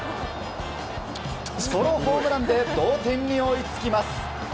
ソロホームランで同点に追いつきます。